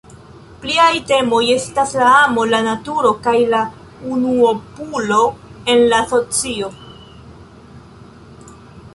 Pliaj temoj estas la amo, la naturo kaj la unuopulo en la socio.